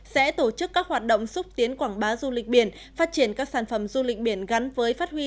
sẽ tổ chức các hoạt động xúc tiến quảng bá du lịch biển phát triển các sản phẩm du lịch biển gắn với phát huy